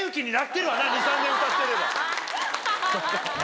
２３年歌ってれば。